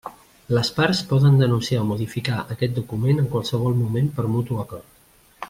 Les parts poden denunciar o modificar aquest document en qualsevol moment per mutu acord.